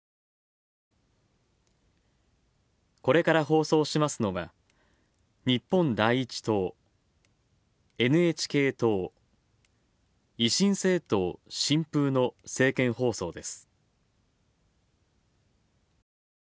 これから放送しますのは、日本第一党ＮＨＫ党維新政党・新風の政見放送です。